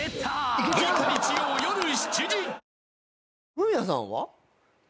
フミヤさんは？